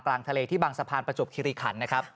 กลางทะเลที่บางสะพานประจกขีริขันย์